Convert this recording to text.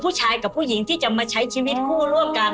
ผู้ชายกับผู้หญิงที่จะมาใช้ชีวิตคู่ร่วมกัน